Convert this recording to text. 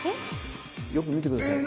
よく見て下さい。